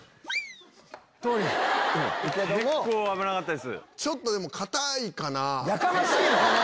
結構危なかったです。